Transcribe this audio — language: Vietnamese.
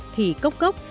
thì cốc cốc